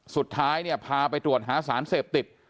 สุดท้ายเนี่ยพาไปตรวจหาสารเสพติด